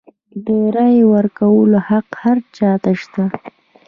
د رایې ورکولو حق هر چا ته شته.